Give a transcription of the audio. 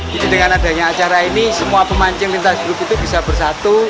jadi dengan adanya acara ini semua pemancing pintas drupu itu bisa bersatu